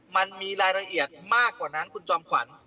มันมีรายละเอียดมากกว่านั้นคุณจอมขวัญ